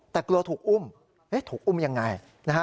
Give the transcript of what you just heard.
แต่กลัวถูกอุ้มถูกอุ้มอย่างไร